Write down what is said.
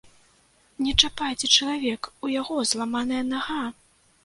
Не чапайце чалавека, у яго зламаная нага!